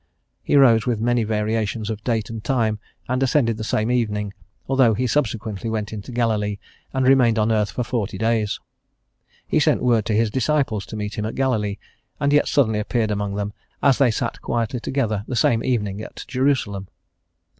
He rose with many variations of date and time, and ascended the same evening, although He subsequently went into Galilee and remained on earth for forty days. He sent word to His disciples to meet Him in Galilee, and yet suddenly appeared among them as they sat quietly together the same evening at Jerusalem.